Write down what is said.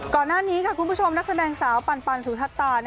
ก่อนหน้านี้ค่ะคุณผู้ชมนักแสดงสาวปันสุธัตตา